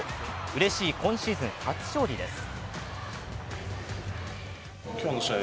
うれしい今シーズン初勝利です。